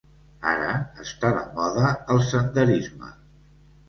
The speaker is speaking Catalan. Ara està de moda el senderisme.